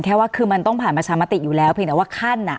ว่าคือมันต้องผ่านประชามติอยู่แล้วเพียงแต่ว่าขั้นอ่ะ